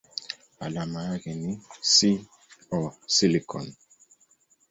Alama yake ni SiO.